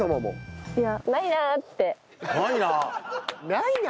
「ないな」？